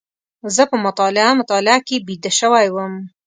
زه په مطالعه مطالعه کې بيده شوی وم.